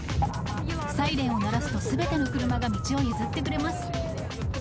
サイレンを鳴らすとすべての車が道を譲ってくれます。